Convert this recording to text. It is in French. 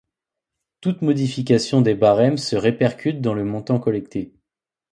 Toute modification des barèmes se répercute dans le montant collecté.